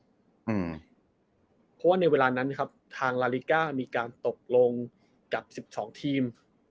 เพราะว่าในเวลานั้นนะครับทางลาลิก้ามีการตกลงกับสิบสองทีม